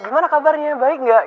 gimana kabarnya baik gak